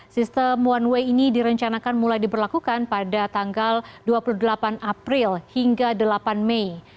sistem one way ini direncanakan mulai diberlakukan pada tanggal dua puluh delapan april hingga delapan mei